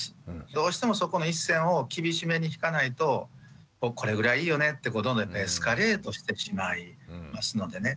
どうしてもそこの一線を厳しめに引かないとこれぐらいいいよねってどんどんエスカレートしてしまいますのでね。